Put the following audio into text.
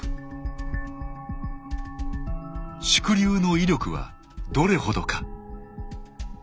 縮流の威力はどれほどか。